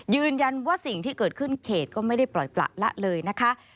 ยืนยันว่าสิ่งที่เกิดขึ้นเขตก็ไม่ได้ปล่อยประละเลยนะคะ